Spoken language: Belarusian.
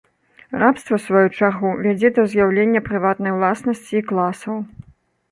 Рабства ў сваю чаргу вядзе да з'яўлення прыватнай уласнасці і класаў.